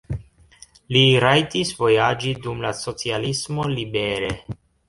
Li rajtis vojaĝi dum la socialismo libere.